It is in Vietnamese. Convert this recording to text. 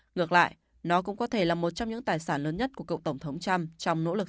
ngược lại nó cũng có thể là một trong những tài sản lớn nhất của cựu tổng thống trump